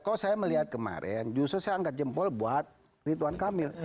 kalau saya melihat kemarin justru saya angkat jempol buat ridwan kamil